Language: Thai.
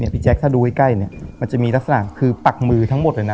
พี่แจ๊คถ้าดูใกล้มันจะมีลักษณะคือปักมือทั้งหมดเลยนะ